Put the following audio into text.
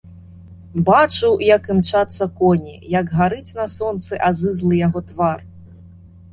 Бачу, як імчацца коні, як гарыць на сонцы азызлы яго твар.